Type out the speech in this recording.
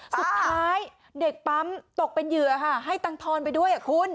สุดท้ายเด็กปั๊มตกเป็นเหยื่อค่ะให้ตังทอนไปด้วยคุณ